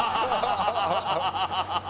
ハハハハ！